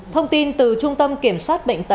thông tin từ trung tâm kiểm soát bệnh tật